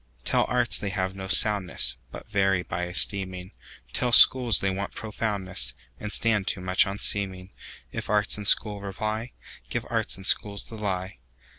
Tell arts they have no soundness, But vary by esteeming; Tell schools they want profoundness, And stand too much on seeming:If arts and schools reply, Give arts and schools the lie.